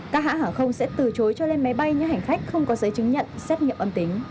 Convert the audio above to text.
các hãng hàng không sẽ từ chối cho lên máy bay những hành khách không có giấy chứng nhận xét nghiệm âm tính